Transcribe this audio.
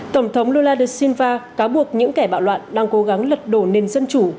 tổng thống lula da silva cáo buộc những kẻ bạo loạn đang cố gắng lật đổ nền dân chủ